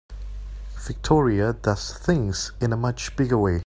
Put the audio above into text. Victoria does things in a much bigger way.